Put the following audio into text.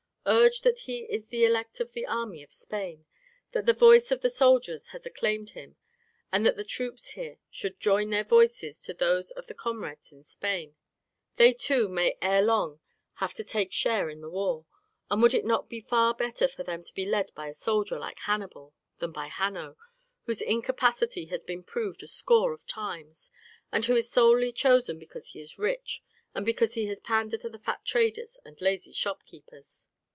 "Urge that he is the elect of the army of Spain, that the voice of the soldiers has acclaimed him, and that the troops here should join their voices to those of their comrades in Spain. They too may ere long have to take share in the war, and would it not be far better for them to be led by a soldier like Hannibal than by Hanno, whose incapacity has been proved a score of times, and who is solely chosen because he is rich, and because he has pandered to the fat traders and lazy shopkeepers?